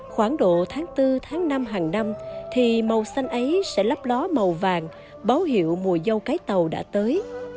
khoảng độ tháng bốn tháng năm hàng năm thì màu xanh ấy sẽ lắp ló màu vàng báo hiệu mùa dâu cái tàu đã tới